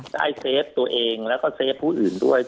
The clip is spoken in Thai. ได้เซฟตัวเองแล้วก็เฟฟผู้อื่นด้วย